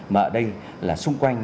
mà ở đây là xung quanh